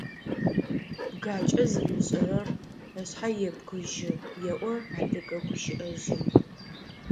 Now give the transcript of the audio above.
«Бгакӏэ зымышӏэрэр ышъхьэ ебгыжьы» еӏо адыгэ гущыӏэжъым.